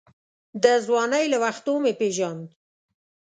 د ځوانۍ له وختو مې پېژاند.